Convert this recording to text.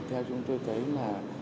theo chúng tôi thấy là